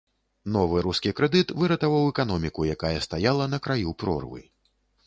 Новы рускі крэдыт выратаваў эканоміку, якая стаяла на краю прорвы.